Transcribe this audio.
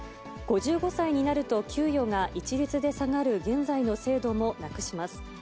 ５５歳になると給与が一律で下がる現在の制度もなくします。